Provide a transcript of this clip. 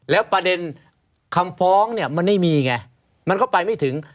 แล้วประเด็นคำฟ้องเนี่ยมันไม่มีไงมันก็ไปไม่ถึง